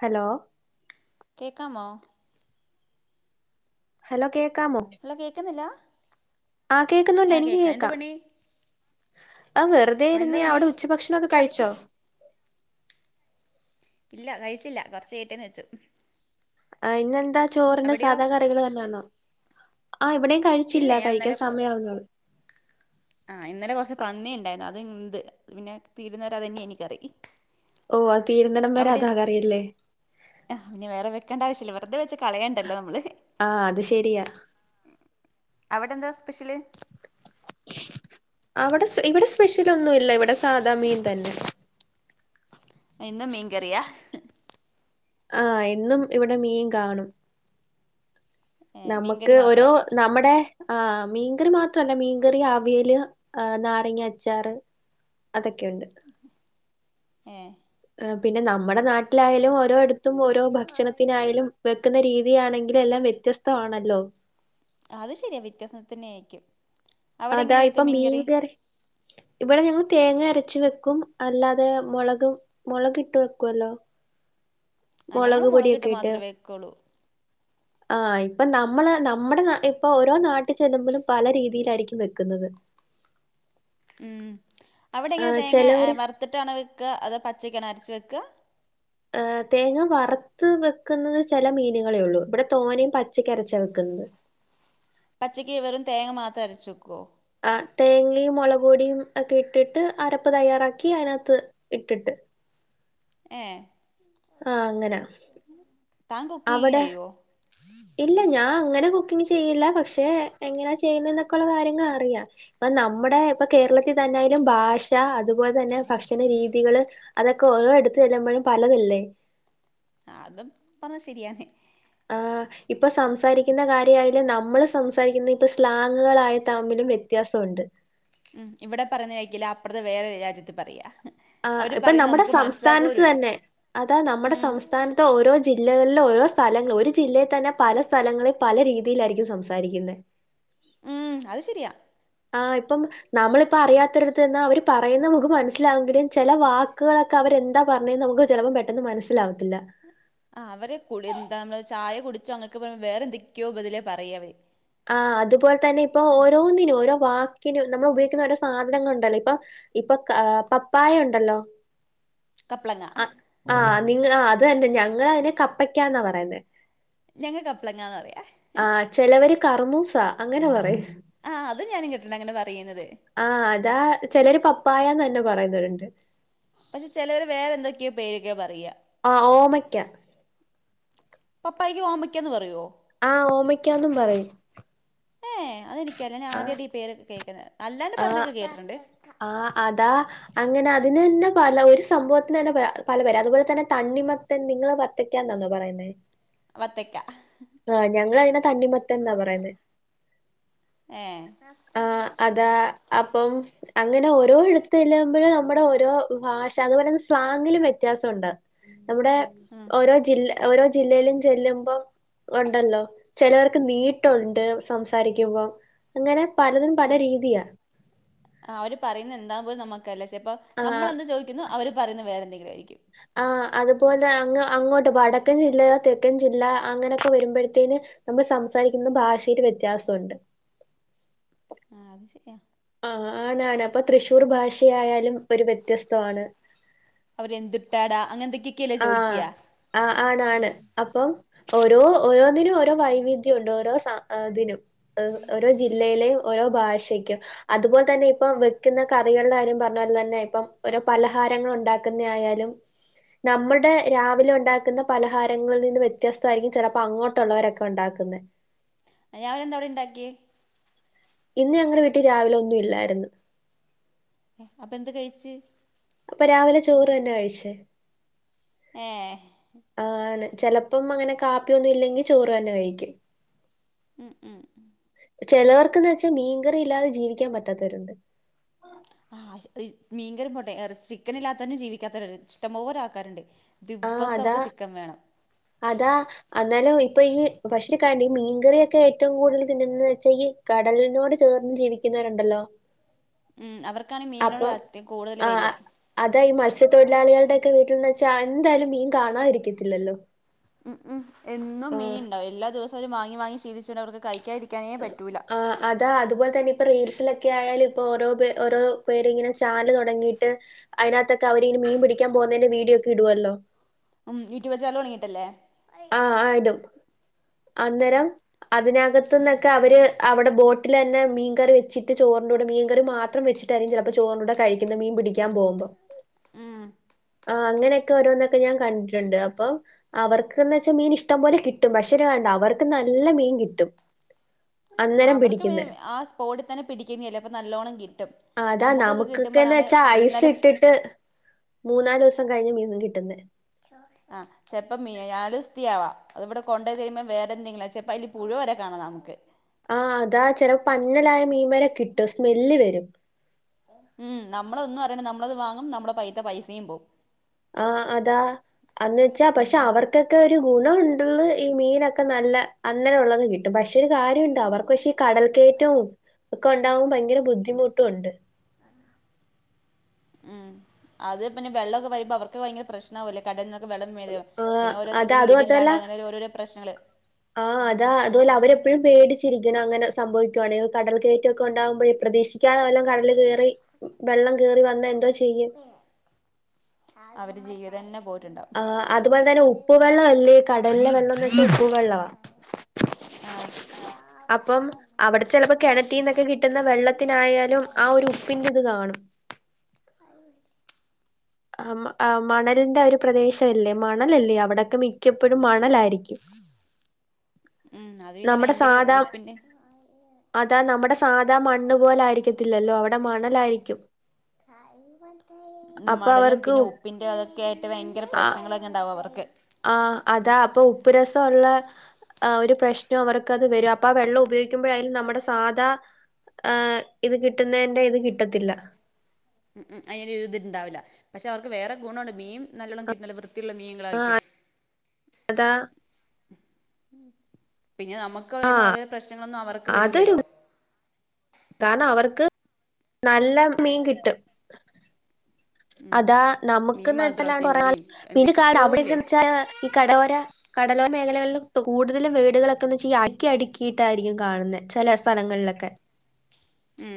Hello. കേകാമോ? Hello കേ hello കേക്കുന്നില്ല? ആ കേക്കുന്നുണ്ട് ആ എനിക്ക് എന്ത് കേക്കാം. പണി ആഹ വെറുതെ എന്താ ഇരുന്ന പണി അവിടെ ഉച്ചഭക്ഷണൊക്കെ കഴിച്ചോ? ഇല്ല കഴിച്ചില്ല കുറച്ച കയട്ടേന്ന് വെച്ചു. ആ ഇന്നെന്താ ചോറിന്റെ അവിടെയോ സാധാ കറികൾ തന്നെയാണോ? ഇവിടെയും ഇല്ല കഴിച്ചില്ല ഞാൻ കഴിക്കാൻ ഇന്നലെ സമയമാവുനൊള്ളൂ. ആ ഇന്നലെ കുറച്ച് പന്നി ഉണ്ടായിരുന്നു അത് ഇണ്ട് പിന്നെ തീരുന്നവരാതനൈനിക്കറി. ഓ ആ തീരുന്നിടം വരെ അതാക റിയില്ലേ. ആ പിന്നെ വേറെ വെക്കേണ്ട ആവശ്യമില്ല വെറുതെ വെച്ച് കളയണ്ടല്ലോ നമ്മള് ആഹ അത് ശരിയാ. അവിടെ എന്താ സ്പെഷ്യല്. അവിടെ ഇവിടെ സ്പെഷ്യൽ ഒന്നും ഇല്ല ഇവിടെ സാദാ മീൻ തന്നെ. ഇന്നും മീൻ കറിയ. ആഹ എന്നും ഇവിടെ മീൻ കാണും. ഏ മീൻകറി നമുക്ക് ഓരോ മാത്രം നമ്മുടെ. ആഹ മീൻകറി മാത്രല്ല മീൻകറി അ വിയല് നാരങ്ങ അച്ചാറ്. അതൊക്കെയുണ്ട്. ഏ. പിന്നെ നമ്മുടെ നാട്ടിലായാലും ഓരോടുത്തും ഓരോ ഭക്ഷണത്തിനായാലും വെക്കുന്ന രീതി ആണെങ്കില് എല്ലാം വ്യത്യസ്തആണല്ലോ. അത് ശരിയാ വ്യത്യാസന തന്നെയ ആായിരിക്കും. അതാ ഇപ്പൊ മീൻ കറി ഇവിടെ ഞങ്ങള് തേങ്ങ അര ച് വെക്കും അല്ലാതെ മൊളക് മൊളക് ഇട്ട് വെക്കുല്ലോ. ആ ഞങ്ങള് മുളകിട്ട് മാത്രമേ വെക്കുള്ളൂ. ആ ഇപ്പൊ നമ്മള് നമ്മുടെ ഇപ്പൊ ഓരോ നാട്ടിൽ ചെല്ലുമ്പോഴും പല രീതിയിലായിരിക്കും വെക്കുന്നത്. ഉം അവിടെ ആ എങ്ങനെ തേങ്ങ ചിലവര് വറുത്തിട്ടാണോ വെക്ക അതൊ പച്ച അരച്ചു വെക്ക. ഏ തേങ്ങ വറത്ത് വെക്കുന്നത് ചില മീനുകളേ ഉള്ളൂ ഇവിടെ തോനിം പച്ചക്കരച്ചാ വെക്ന്നത്. പച്ചയ്ക്ക് വെറും തേങ്ങ മാത്രം അരച് വെക്കോ? ആ തേങ്ങയും മുളക്പൊടിയും ഒക്കെ ഇട്ടിട്ട് അരപ്പ് തയ്യാറാക്കി അതിനകത്ത് ഇട്ടിട്ട് ഏ. ആഹ് അങ്ങനാ താൻ കുക്കിങ് അവിടെ ചെയ്യോ ഇല്ല ഞാൻ അങ്ങനെ ചെയ്യല്ല പക്ഷെ എങ്ങനാ ചെയ്യൊന്നൊ ക്കെള്ള കാര്യങ്ങള റിയാം ഇപ്പൊ നമ്മുടെ ഇ കേരളത്തിൽന്നെ ന്തായാലും ഭാഷ അതുപോലെ തന്നെ ഭക്ഷണ രീതികള് അതൊക്കെ ഓരോ എടുത്ത്ു ചെ ല്ലമ്പോഴും പലതല്ലേ? അത പറഞ്ഞത് ശരിയാണ്. ആ് ഇപ്പൊ സംസാരിക്കുന്ന കാര്യ നമ്മള് സംസാരിക്കുന്ന ഇപ്പ സ്ലാങ്ങുകളായ തമ്മിലും വ്യത്യാസമുണ്ട്. ഉം ഇവിടെ പറയുന്ന ക്കില്ല അപ്പർത് വേറെ രാജ്യത്ത് പറയാഹ്. ആ ഇപ്പൊ നമ്മുടെ സംസ്ഥാനത്ത് തന്നെ അത നമ്മുടെ സംസ്ഥാനത്തെ ഓരോ ജില്ലകളിലും. ഓരോ സ്ഥലങ്ങൾ ഒരു ജില്ലയിൽ തന്നെ പല സ്ഥലങ്ങളിൽ പല രീതിയിലായിരിക്കും സംസാരിക്കുന്നെ. ഉം അത് ശരിയാ. ആ ഇപ്പം നമ്മളിപ്പ അറിയാത്തരിടുത്ത്ന്നാ അവര് പറയുന്നത് നമ്മക്ക് മനസ്സിലാവെങ്കിലും ചെല വാക്കുകളെ കവരെ ന്താ പറഞ്ഞെ നമുക്ക് ചിലപ്പ പെെട്ട ന്ന് മനസിലാവും. ആ അവരെ കുളി ന്താണ് ചായ കുടിച്ചോ അങ്ങക്ക് വേറെന്തൊക്കെയോ രൂബതില പറയാവര്. ആ അതുപോലെ തന്നെ ഇപ്പൊ ഓരോന്നിനും ഓരോ വാക്കിനും നമ്മൾ ഉപയോഗിക്കുന്ന ഓരോ സാധനങ്ങൾ ഉണ്ടല്ലോ ഇപ്പൊ. ഇപ്പൊ പപ്പായ ഉണ്ടല്ലോ? കപ്പളങ്ങ. ആഹ് ആഹ് നിങ്ങ അത് തന്നെ ഞങ്ങതിനെ കപ്പയ്ക്കാന്നാ പറയുന്നെ ഞങ്ങ കപ്പളങ്ങാന്ന് പറയാ കറ്മൂസ അങ്ങനെ പറ ആ അത് ഞാനും കേട്ടിട്ടുണ്ട് അങ്ങനെ പറ ആ അതാ ചിലര് പപ്പായന്ന് തന്നെ പറയുന്നരുണ്ട് പക്ഷെ ചിലവർ വേറെന്തൊക്കെയോ പേരൊക്കെയോ പറയാ ആ ഓമയ്ക്ക പപ്പായക്ക് ഓമയ്ക്കാന്ന് പറയുവോ ആ ഓമക്കാന്നും പറയും ഏ അതെനിക്കല്ല ഞാ ആഹ് ആദ്യമായിട്ട ഈ പേര് കേക്കുന്നത് അല്ലാണ്ട് പറഞ്ഞൊക്കെ കേട്ടിട്ടുണ്ട് ആ അതാ അ അ അതിന് തന്നെ പല ഒരു സംഭവത്തിന് തന്നെ പല പേരാ അതുപോലെ തന്നെ തണിമത്തൻ നിങ്ങള് വത്തയ്ക്കാൻ ന്നാനോ പറയാ വത്തക്ക ആ ഞങ്ങളതിനെ തണ്ണിമത്തൻ ന്നാ പറയുന്നേ ഏ ങ്ങനെ ഓരോ എടുത്ത് ചെല്ലുമ്പോഴും നമ്മുടെ ഓരോ ഭാഷ അതുപോലെ തന്നെ സ്ലാങ്ങിലും വ്യത്യാസമുണ്ടാവും നമ്മുടെ ഉം ഓരോ ജില്ല ഓരോ ജില്ലയിലും ചെല്ലുമ്പം ഉണ്ടല്ലോ ചിലവർക്ക് നീട്ടുണ്ട് സംസാരിക്കുമ്പോം അങ്ങനെ പലതും പല രീതിയാ പറയ്ന്ന എന്താ പോലും നമുക്ക് അറില്ലേ ചെപ്പം ആഹ് നമ്മള് എന്ത് ചോദിക്കുന്നു അവര് പറയുന്നത് വേറെ എന്തെങ്കിലും ആയിരിക്കും ആഹ് അതുപോലെ അങ് അങ്ങോട്ട് വടക്കൻ ജില്ല തെക്കൻ ജില്ല അങ്ങനെയൊക്കെ വരുമ്പോഴത്തേന് നമ്മ സം സംസാരിക്കുന്ന ഭാഷയില് വ്യത്യാസമുണ്ട് [inaudible] ആ അത് ശരിയാ ആ ആണ് ആണ് അപ്പൊ തൃശ്ശൂർ ഭാഷയായാലും ഒരു വ്യത്യസ്തമാണ് അവര് എന്തുട്ടാടാ അങ്ങനെ എന്തൊക്കെയൊക്കെയല്ലേ ആ ചോദിക്കുക ആ ആണ് ആണ് അപ്പൊ ഓരോ ഓരോന്നിനും ഓരോ വൈവിധ്യ ഉണ്ട് ഓരോ അതിനും ഓരോ ജില്ലയിലും ഓരോ ഭാഷക്കും അതുപോലെ തന്നെ ഇപ്പ വെക്കുന്ന കറികളുടെ കാര്യം പറഞ്ഞ പോലെ തന്നെ ഇപ്പ പലഹാര ഞങ്ങൾ ഉണ്ടാക്കുന്ന ആയാലും [unintelligible] നമ്മുടെ രാവിലെ ഉണ്ടാക്കുന്ന പലഹാരങ്ങളിൽ നിന്ന് വ്യത്യസ്തമായിരിക്കും ചിലപ്പോ അങ്ങോട്ടുള്ളവരൊക്കെ ഉണ്ടാക്കുന്നെ ഇയാൾ എന്താ അവിടെ ഇണ്ടാക്കി ഇന്ന് ഞങ്ങളുടെ വീട്ടിൽ രാവിലെ ഒന്നും ഇല്ലായിരുന്ന് അപ്പൊ എന്ത് കഴിച്ച് അപ്പൊ രാവിലെ ചോറ് തന്നെ കഴിച്ചേ ഏ ആണ്. ചെലപ്പം അങ്ങനെ കാപ്പിയൊന്നും ഇല്ലെങ്കി ചോറ് തന്നെ കഴിക്കും ഉം ഉം ചിലവർക്ക്‌ എന്ന് വെച്ചാൽ മീൻകറി ഇല്ലാതെ ജീവിക്കാൻ പറ്റാത്തവരുണ്ട് ആ മീക്കറി പോട്ടെ ചിക്കൻ ഇല്ലാത്ത തന്നെ ജീവിക്കാത്ത ഇഷ്ടം പോലെ ആൾക്കാർ ഇണ്ട് ആഹ് അതാ അതാ എന്നാലും ഇപ്പൊ ഈ ഭക്ഷ്രി കാണ്ടിഈ മീൻകറിയൊക്കെ ഏറ്റവും കൂടുതൽ തിന്നുന്നത് എന്ന് വെച്ചാ ഈ കടലിനോട് ചേർന്ന് ജീവിക്കുന്നു ഉണ്ടല്ലോ ഉം അവർക്കാണ് മീനോട്‌ അത് കൂടുതൽ വരിക പക്ഷെ തൊഴിലാളികളുടെ ഒക്കെ വീട്ടിൽന്ന് വച്ചാ എന്തായാലും മീൻ കാണാതിരിക്കത്തില്ലല്ലോ ഉം ഉം എന്നും ആഹ് മീൻ ഇണ്ടാവും എല്ലാ ദിവസം അവര് വങ്ങി വാങ്ങി ശീലിച്ച്ണ്ട് അവർക്ക് കഴിക്കാതിരി ആ അതാ അതുപോലെ തന്നെ റീൽസിലൊക്കെ ആയാലും ഇപ്പോ ഓരോ ഓരോ പേരിങ്ങനെ ചാനല് തുടങ്ങിയിട്ട് അതിനകത്തൊക്കെ അവരിങ്ങ മീൻ പിടിക്കാൻ പോകുന്നതിന്റെ വീഡിയോക്കെ ഇടുവല്ലോ ഉം യൂട്യൂബ് ചാനൽ തൊടങ്ങീട്ടല്ലേ ആ ആയിടും അന്നേരം അതിനകത്തുന്നൊക്കെ അവര് അവിടെ ബോട്ടിലന്നെ മീൻ കറി വെച്ചിട്ട് ചോറിന്റെ കൂടെ മീൻകറി മാത്രം വച്ചിട്ടായിരിക്കും ചിലപ്പോ ചോറിന്റെ കൂടെ കഴിക്കുന്നത് മീൻ പിടിക്കാൻ പോകു ഓന്ന് ഉം ആ അങ്ങനെയൊക്കെ ഓരോന്നൊക്കെ ഞാൻ കണ്ടിുണ്ട് അവർക്ക്ന്ന് വെച്ചാൽ മീൻ ഇഷ്ടംപോലെ കിട്ടും പക്ഷെ കണ്ട അവർക്ക് നല്ല മീൻ കിട്ടും അന്നേരം അവർക്ക് പിെ പിടിക്കുന്നെ ആ സ്പോട്ടിൽ തന്നെ പിടിക്കുന്നലതല്ലെ അപ്പ നല്ലോണ്ണം കിട്ടും അതാ നമുക്കൊക്കെ നമുക്കൊക്കെന്ന് കിട്ടുമ്പോഴാണ് വച്ചാ ഐസ് ഇന്നലെ ഇട്ടിട്ട് മൂന്നാല് ദിവസം കഴിഞ്ഞ മീന് കിട്ടുന്നെ ആഹ് ചെലപ്പ മീൻ നാലു ദിവസത്തെയാവാ അത് ഇവിടെ കൊണ്ട് വന്ന് കഴിയുമ്പ വേറെ എന്തെങ്കിലും ചെലപ്പപ്പ അതി പുഴുവ അവരെ കാണാം നമുക്ക് ആഹ് അതാ ചെിലപ്പോ പന്നലായ മീൻമാരെ കിട്ടും സ്മെല്ല് വരും ഉം നമ്മളൊന്നും അറിയില്ലനമ്മളത് വാങ്ങും നമ്മളുടെ കൈയിലെ പൈസയും പോവും ആഹ് അതാ അന്ന് വെച്ചാ പക്ഷെ ഉം അവർക്കൊക്കെ ഒരു ഗുണം ഉണ്ട് ഈ മീനൊക്കെ നല്ല അങ്ങനെ ഉള്ളത് കിട്ടും പക്ഷെ ഒരു കാര്യംണ്ട് അവർക്ക് പക്ഷേ ഈ കടൽ കയറ്റവും ഒക്കെ ഉണ്ടാകുമ്പോ ഭയങ്കര ബുദ്ധിമുട്ടും ഉണ്ട് ഉം അത് പിന്നെ വെള്ളമൊക്കെ വരുമ്പോ അവർക്ക് ഭയങ്കര പ്രശ്നമാവില്ലേ കടലീന്ന് ആഹ് വെള്ളെരെപിന്നെ അതാ ഓരോരുത്തർക്ക് അത് വീട് ഇില്ലാണ്ട് അങ്ങന ഓരോരോ പ്രശ്നങ്ങള് ആതാ അതുപോലെ അവര് എപ്പോഴും പേടിച്ചിരിക്കണം അങ്ങനെ സംഭവിക്കുകവാണെങ്കിൽ കടൽ കയറ്റുമൊക്കെ ഉണ്ടാവുമ്പോഴ പ്രതീക്ഷിക്കാതെല്ലാം കടല് കയറി വെള്ളം കേറി വന്ന എന്തോ ചെയ്യും അവര് ചെയ്യതതന്നെ പോല ആ അതുപോലെ തന്നെ ഉപ്പ് വെള്ളംല്ലേ കടലിലെ വെള്ളംന്ന് വെച്ച ഉപ്പ് വെള്ളമാണ് ആഹ് എല്ലാ അപ്പം കാര്യം അവിടെ അതൊണ്ട്. ചിലപ്പോ കിണറ്റിന്നൊക്കെ കിട്ടുന്ന വെള്ളത്തിനായാലും ആ ഒരു ഉപ്പിന്റെറെ ഇത് കാണും അ വ [unintelligible] ആ മണലിന്റെ ഒരു പ്രദേശംല്ലേ മണലല്ലേ അവിടൊക്കെ മിക്കപ്പോഴും മണലായി അരിക്കും ഉം അത് പിന്നെ ഭയങ്കര ഉപ്പിന്റെ അതാ നമ്മുടെ സാധാ മണ്ണ് പോലാ യിരിക്കത്തില്ലല്ലോ അവിടെ മണലായിരിക്കും ഉം അപ്പൊ മണലും അവർക്ക് പിന്നെ ഉപ്പിന്റെ അതൊക്കെ ആയിട്ട് ഭയങ്കര പ്രശ്നങ്ങളൊക്കെ ഉണ്ടാവും അവർക്ക് ആന് അതാ അപ്പൊ ഉപ്പു രസമുള്ള ഒരു പ്രശ്നം അവർക്ക് അത് വരും അപ്പൊ ആ വെള്ളം ഉപയോഗിക്ക ഉപയോഗിക്കുമ്പോഴും നമ്മുടെ സാധാ ഇത് കിട്ടുന്നതിന്റെ ഇത് കിട്ടത്തില്ല ഉം ഉം അതിന്റെ എതിണ്ടാവില്ല പക്ഷെ അവർക്ക് വേറെ ഗുണമാണ്ണ്ട് മീൻ നല്ലോണം കിട്ടുനില്ല വൃത്തി ആയിട്ട് ത്തിയുള്ള മീനങ്ങളായിക്കും അതാ പിന്നെ നമുക്ക് പറയുന്ന ആഹ് ഓരോ പ്രശ്നങ്ങളൊന്നും അവർക്ക് അതൊരു വരൂല്ലല്ലോ കാരണം അവർക്ക് നല്ല മീൻ കിട്ടും ഉം അതാ മീൻ നമ്മുക്ക്ന്ന് മാത്രോ വച്ചാ ചെമ്മീൻ പിന്നെ കണം എന്തൊക്കൊക്കെയോ ഇല്ലേ അവിടെന്തന്ന് വെച്ചാൽ ഈ കടലോര കടലോര മേഖലകളിൽ കൂടുതലും വീടുകളൊക്കെന്ന് അക്കി അടുക്കിയിട്ടായിരിക്കും കാണുന്നത് ചില സ്ഥലങ്ങളിലൊക്കെ ഉം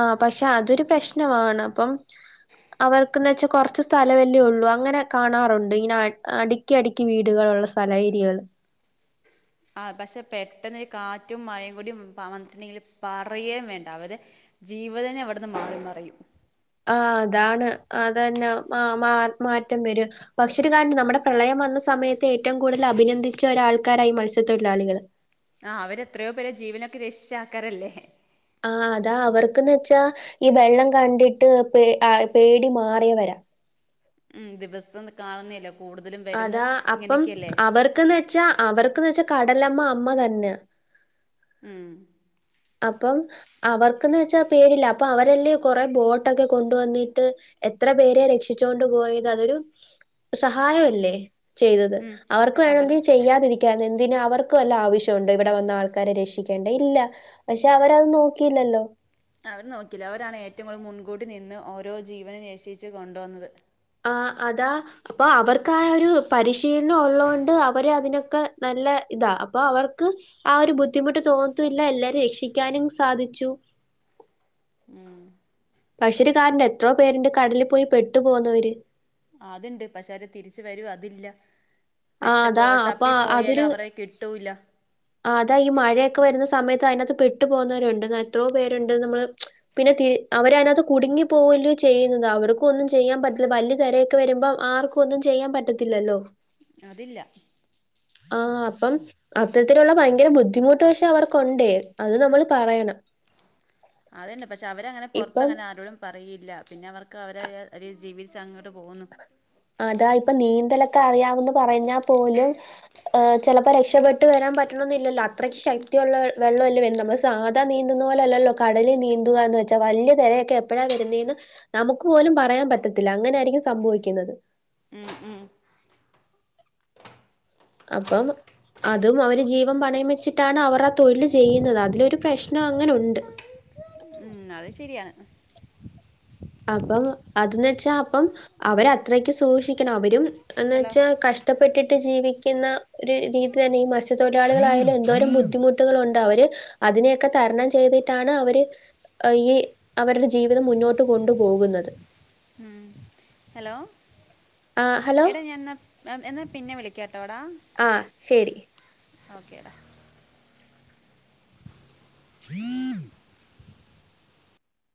ആ പക്ഷെ അതൊരു പ്രശ്നമാണ് അപ്പം [unintelligible] അവർക്കന്ന് വെച്ചാൽ കുറച്ച് സ്ഥല വല്ലേ ഉള്ളു അങ്ങനെ കാണാറുണ്ട് ഇങ്ങന അടുക്കി അടുക്കി വീടുകളള്ള സ്ഥല ഏരിയകൾ [unintelligible] ആ പക്ഷെ പെട്ടെന്ന് കാറ്റും മഴയും കൂടിയ വന്നിട്ടുണ്ടെങ്കില് പറുകയും വേണ്ടാവതെ ജീവിതം തന്നെ അവിടുന്ന് മാറി മറും ജീവിതം തന്നെ ആ അതാണ് അത് തന്നെ മാ മാറ്റം വരും പക്ഷ ഒരു കാരണം നമ്മുടെ പ്രളയം വന്ന് സമയത്ത് ഏറ്റവും കൂടുതൽ അഭിനന്ദിച്ച ഒരാൾക്കാരായി മത്സ്യത്തൊഴിലാളികള് ആഹ് അവരെത്രേ പേരെ ജീവനൊക്കെ രക്ഷിച്ചാൾക്കാരല്ലെ ആഹ് അതാ അവർക്ക്ന്ന് വെച്ചാ ഈ വെള്ളം കണ്ടിട്ട് പേ ആഹ് പേടി മാറിയവര ഉം ദിവസംന്ന് കാണ്ന്നില്ല അതാ അപ്പം അവർക്ക്ന്ന് വെച്ചാ അവർക്ക്ന്ന് വെച്ച കടലമ്മ അമ്മ തന്നെ ഉം അപ്പം അവർക്ക്ന്ന് വെച്ചാ പേടില്ല അപ്പൊ അവരല്ലെ കൊറെ ബോട്ടൊക്കെ കൊണ്ട് വന്ന്ട്ട് എത്ര പേരെ രക്ഷിച്ചോണ്ട് പോയി അതൊരു സഹായല്ലെ ചെയ്തത് ഉം അവർക്ക് അവർ വേണൊങ്കി ചെയ്യാതിരിക്കാ ഇതിന് അവർക്കു വല്ല ആവശ്യൊണ്ടോ ഇവടെ വന്ന് ആൾക്കാരെ രക്ഷിക്കേണ്ട ഇല്ല പഷേ അവരത് നോക്കിയില്ലല്ലൊ അവർ നോക്കില്ല അവരാണ് ഏറ്റവും കൂടുതൽ മുൻകൂട്ടി നിന്ന് ഓരോ ജീവനും നേഷ്ചേച്ചിയ കൊണ്ടുവന്നത് ആഹ് അതാ ഇപ്പൊ അവർക്കാ ആഹ് ഒര് പരിശീലനം ഉള്ളത്കൊണ്ട് അവര് അതിനൊക്കെ നല്ല ഇതാ അപ്പൊ അവർക്ക് ആഹ് ഒര് ബുദ്ധിമുട്ട് തോന്നത്തില്ല എല്ലാരെ രക്ഷിക്കാനും സാധിച്ചു [inaudible] പക്ഷെര് കാരണ്ട് എത്രൊ പേര്ണ്ട് കടലി പോയി പെട്ടു പോവുന്നവര് അത്ണ്ട് പക്ഷെ അവര് തിരിച്ച് വരൊ അതില്ല ആ പെട്ട് അതാ അവ തപ്പിപ്പോയാലും അവരെ കിട്ടൂല്ല ആഹ് അതാ ഈ മഴയൊക്കെ വരുന്ന സമയത്ത് അതിനകത്ത് പെട്ടു പോകുന്നവരുണ്ട് എത്രോ പേരുണ്ട് നമ്മള് പിന്നെ അവരെ അതിനകത്ത് കുടുങ്ങി പോകല്ലെ ചെയ്യ്ന്നത് അവർക്കും ഒന്നും ചെയ്യാൻ പറ്റില്ല വല്യ തിരയൊക്കെ വരുമ്പൊ ആർക്കു പൊന്നും ഒന്നും ചെയ്യാൻ പറ്റത്തീല്ലല്ലൊ അതില്ല ള്ള ഭയങ്കര ബുദ്ധിമുട്ട് പഷെ അവർക്കുണ്ടെ അത് നമ്മള് പറയണം അതെന്നെ പഷെ അവരങ്ങനെ ഇപ്പം പൊറത്ത്ങ്ങനെ ആരോടും പറയെല്ല പിന്നെ അവർക്ക് അവരെ ഒര് ജീവിച്ചങ്ങ്ട്ട് പോവുന്നു അതാ ഇപ്പൊ നീന്തലൊക്കെ അറിയാവന്ന് പറഞ്ഞാ പോലും ചെലപ്പൊ ഏഹ് രക്ഷപെട്ട് വരാ പറ്റ്ണൊന്നില്ലല്ലൊ അത്രയ്ക്ക് ശക്തിയുള്ള വെള്ളല്ലെ വര്ന്നത് നമ്മള് സാധാ നീന്തുന്ന പോലെ അല്ലല്ലൊ കടലി നീന്തുക വെച്ചാ വല്യ തെരയൊക്കെ എപ്പഴാ വരുന്നേന്ന് നമുക്ക് പോലും പറയാൻ പറ്റത്തില്ല. അങ്ങനായിരിക്കും സംഭവിക്കുന്നത് ഉം ഉം അപ്പം അതും അവര് ജീവം പണയം വെച്ച്ട്ടാണ് അവര തൊഴില് ചിയ്യ്ന്നത് അതിലൊരു പ്രശ്നം അങ്ങന ഉണ്ട് ഉം അത് ശരിയാണ് അപ്പം അതെന്ന് വെച്ചാ അപ്പം അവരത്രക്ക് സൂക്ഷിക്കണം അവരും എന്ന് ഹലോ വെച്ചാ കഷ്ടപ്പെട്ടിട്ട് ജീവിക്ക്ന്ന ഒര് രീതി തന്നെ ഈ മത്സ്യത്തൊഴിലാളികളായാല് എന്തോരം ബുദ്ധിമുട്ട്കളുണ്ട് അവര് അതിനെയൊക്കെ തരണം ചെയ്തിട്ടാണ് അവര് ഈ അവര്ടെ ജീവിതം മുന്നോട്ട് ട്ട് കൊണ്ടുപോക്ന്നത് ഉം ഹലോ എടാ ഞാൻ ന്നാ എന്നാ പിന്നെ വിളിക്കാട്ടോടാ ആഹ് ശരി ഓക്കേടാ [inaudible]